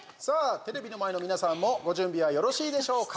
テレビの前の皆さんもご準備はよろしいでしょうか。